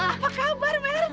apa kabar mer